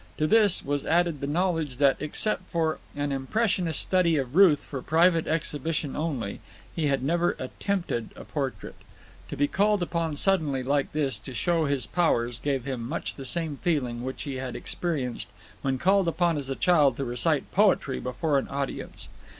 To this was added the knowledge that, except for an impressionist study of Ruth for private exhibition only, he had never attempted a portrait. To be called upon suddenly like this to show his powers gave him much the same feeling which he had experienced when called upon as a child to recite poetry before an audience.